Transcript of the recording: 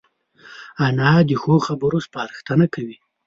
انا د ښو خبرو سپارښتنه کوي